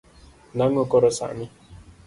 Nang’o koro sani?